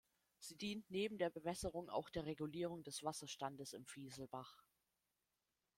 Sie dient neben der Bewässerung auch der Regulierung des Wasserstandes im Vieselbach.